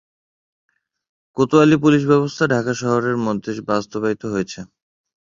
কোতোয়ালী police ব্যবস্থা ঢাকা শহরের মধ্যে বাস্তবায়িত হয়েছে।